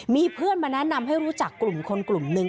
มีเพื่อนมาแนะนำให้รู้จักกลุ่มคนกลุ่มนึง